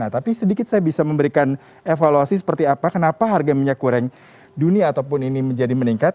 tapi sedikit saya bisa memberikan evaluasi seperti apa kenapa harga minyak goreng dunia ataupun ini menjadi meningkat